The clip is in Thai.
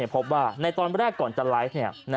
พบว่าในตอนแรกก่อนจะไลฟ์